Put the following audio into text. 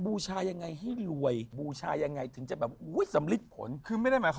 คิกคิกคิกคิกคิกคิกคิกคิกคิกคิกคิกคิกคิกคิกคิก